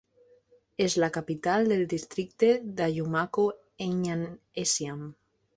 És la capital del districte d'Ajumako-Enyan-Esiam.